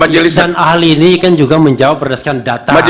dan ahli ini kan juga menjawab berdasarkan data